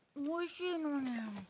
おいしいのに。